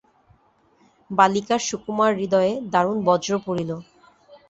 বালিকার সুকুমার হৃদয়ে দারুণ বজ্র পড়িল।